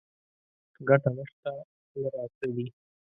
ګټه نشته تله راتله دي